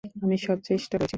আমি সব চেষ্টা করেছি।